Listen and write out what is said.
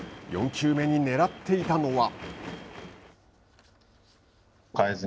４球目にねらっていたのは。